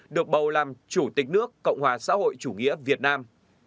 được bầu làm chủ tịch nước cộng hòa xã hội chủ nghĩa việt nam